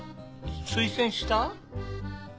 推薦した？